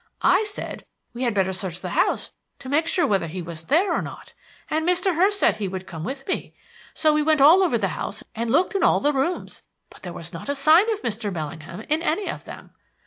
I said we had better search the house to make sure whether he was there or not, and Mr. Hurst said he would come with me; so we all went over the house and looked in all the rooms, but there was not a sign of Mr. Bellingham in any of them.